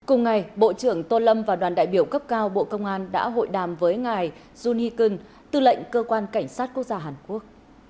cùng ngày bộ trưởng tô lâm và đoàn đại biểu cấp cao bộ công an đã hội đàm với ngài juni kun tư lệnh cơ quan cảnh sát quốc gia hàn quốc